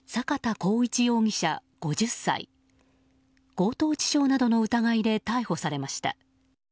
強盗致傷などの疑いで逮捕されました。